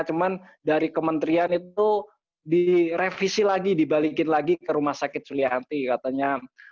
cuman dari kementerian itu direvisi lagi dibalikin lagi ke rumah sakit sulianti katanya